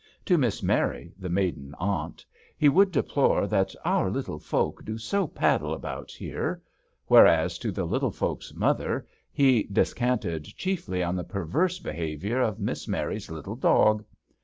To Miss Mary, the maiden aunt, he would deplore that "our little folk do so paddle about here," whereas to the little folks* mother, he descanted chiefly on the perverse behaviour of " Miss Mary's little dog."